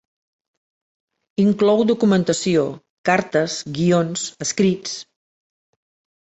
Inclou documentació, cartes, guions, escrits.